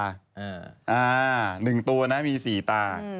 ก็มี๑ตัวมี๔ตา